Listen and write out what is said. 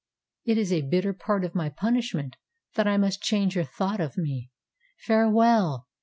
It is a bitter part of my punishment that I must change your thought of me. Farewell!